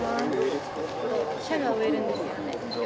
シャガ植えるんですよね？